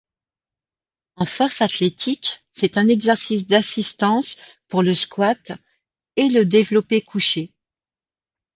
En force athlétique, c'est un exercice d'assistance pour le squat et le développé couché.